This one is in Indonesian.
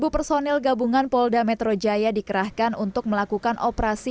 tujuh personil gabungan polda metro jaya dikerahkan untuk melakukan operasi